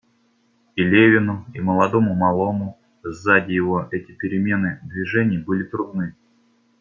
И Левину и молодому малому сзади его эти перемены движений были трудны.